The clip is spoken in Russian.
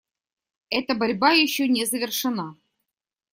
Эта борьба еще не завершена.